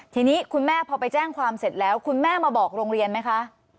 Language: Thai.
ทีนี้คุณแม่พอไปแจ้งความเสร็จแล้วคุณแม่มาบอกโรงเรียนไหมคะ